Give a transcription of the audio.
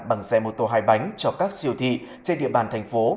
bằng xe mô tô hai bánh cho các siêu thị trên địa bàn thành phố